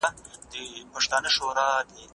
باید د علم د لوړې کچې ته د رسیدو لپاره مطالعه وشي.